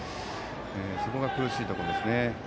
そこが苦しいところですね。